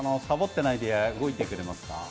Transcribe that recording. サボってないで動いてくれますか？